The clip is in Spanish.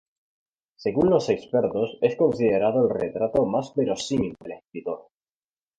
Según los expertos, es considerado el retrato más verosímil del escritor.